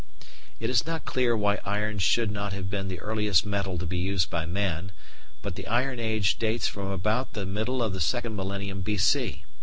It is not clear why iron should not have been the earliest metal to be used by man, but the Iron Age dates from about the middle of the second millennium B.C.